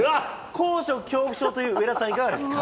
高所恐怖症の上田さん、いかがですか。